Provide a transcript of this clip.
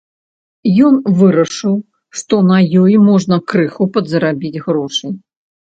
Ён вырашыў, што на ёй можна крыху падзарабіць грошай.